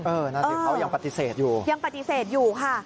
นั่นสิเขายังปฏิเสธอยู่ยังปฏิเสธอยู่ค่ะ